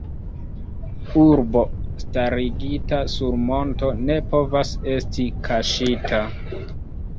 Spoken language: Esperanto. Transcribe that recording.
Urbo starigita sur monto ne povas esti kaŝita.